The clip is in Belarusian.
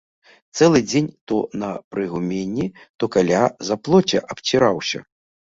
Цэлы дзень то на прыгуменні, то каля заплоцця абціраўся.